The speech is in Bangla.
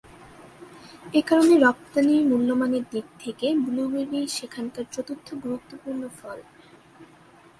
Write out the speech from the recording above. এ কারণে রপ্তানি মূল্যমানের দিক থেকে ব্লুবেরি সেখানকার চতুর্থ গুরুত্বপূর্ণ ফল।